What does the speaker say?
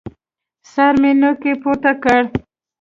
سر مې نوکى پورته کړ.